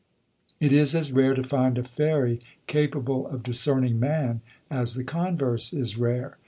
It is as rare to find a fairy capable of discerning man as the converse is rare.